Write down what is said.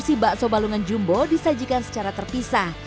dan bakso balungan juga bisa disajikan secara terpisah